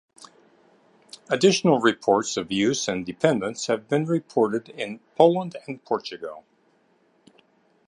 Additional reports of use and dependence have been reported in Poland and Portugal.